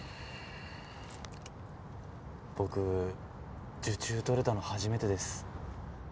僕受注取れたの初めてです。